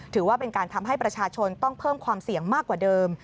ถือว่าเป็นการทำให้ประชาชนต้องเพิ่มความเสี่ยงมากกว่าเดิม